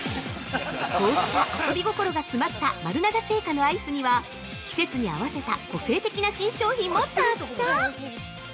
◆こうした遊び心が詰まった丸永製菓のアイスには、季節に合わせた個性的な新商品もたくさん！